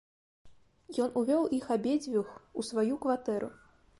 Ён увёў іх абедзвюх у сваю кватэру.